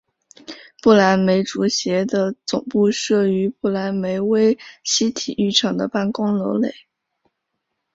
不来梅足协的总部设于不来梅威悉体育场的办公楼内。